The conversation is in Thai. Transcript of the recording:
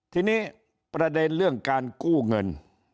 ทีนี้ประเด็นเรื่องการกู้เงิน